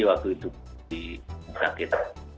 waktu itu di sakit